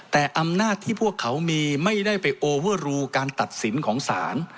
แต่อำนาจที่พวกเขามีไม่ได้ไปโอเวอร์รูการตัดสินของศาล